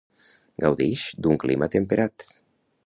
Gaudix d'un clima temperat.